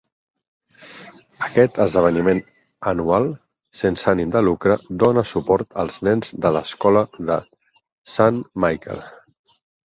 Aquest esdeveniment anual sense ànim de lucre dóna suport als nens de l'escola de Saint Michael.